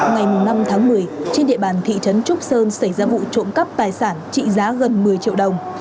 ngày năm tháng một mươi trên địa bàn thị trấn trúc sơn xảy ra vụ trộm cắp tài sản trị giá gần một mươi triệu đồng